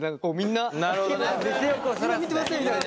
なるほどね。